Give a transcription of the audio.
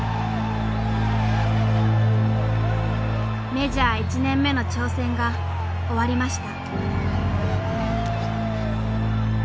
メジャー１年目の挑戦が終わりました。